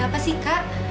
ada apa sih kak